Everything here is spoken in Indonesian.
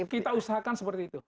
kita usahakan seperti itu